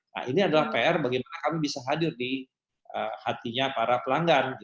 nah ini adalah pr bagaimana kami bisa hadir di hatinya para pelanggan